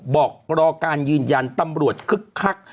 บอกรอการยืนยันตำรวจคึกคัก